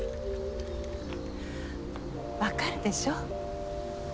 分かるでしょ？